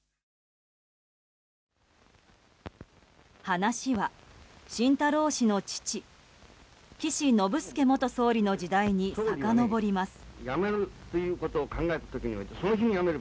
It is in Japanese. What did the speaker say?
話は晋太郎氏の父岸信介元総理の時代にさかのぼります。